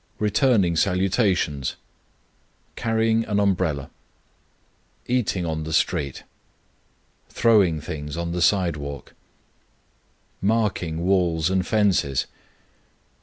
_ Returning salutations. Carrying an umbrella. Eating in the street. Throwing things on the sidewalk. _Marking walls and fences.